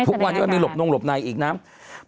ทุกวันนี้มันมีหลบนงหลบในอีกนะ